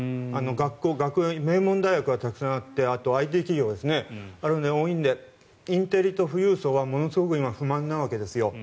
学校、名門大学がたくさんあってあとＩＴ企業が多いのでインテリと富裕層はものすごく今、不満なわけですよ。